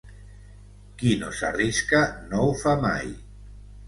Qui no s'arrisca no ho fa mai.